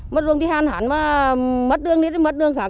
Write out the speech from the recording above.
mất ruồng thì hạn hạn mà mất đường đi thì mất đường khác